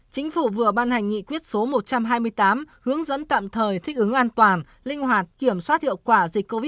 chính phủ vừa ban hành nghị quyết số một trăm hai mươi tám hướng dẫn tạm thời thích ứng an toàn linh hoạt kiểm soát hiệu quả dịch covid một mươi chín